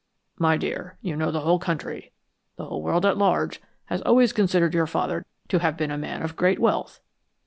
"My dear, you know the whole country, the whole world at large, has always considered your father to have been a man of great wealth."